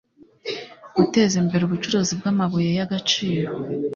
guteza imbere ubucukuzi bw'amabuye y'agaciro